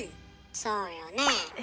そうよね。